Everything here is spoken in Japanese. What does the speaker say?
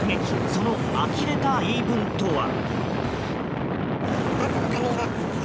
その、あきれた言い分とは。